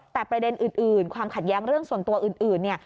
แต่ประเด็นอื่นความขัดแย้งเรื่องส่วนตัวอื่นเนี่ย